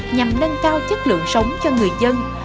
nhằm nâng cao chất lượng sống cho người dân